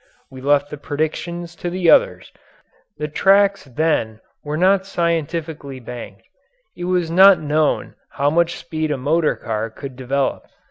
We left the predictions to the others. The tracks then were not scientifically banked. It was not known how much speed a motor car could develop.